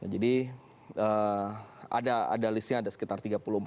jadi ada listnya ada sekitar tiga puluh empat